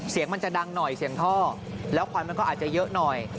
เสียงมันจะดังหน่อยเสียงท่อแล้วควันมันก็อาจจะเยอะหน่อย